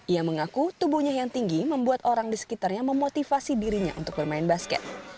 ia mengaku tubuhnya yang tinggi membuat orang di sekitarnya memotivasi dirinya untuk bermain basket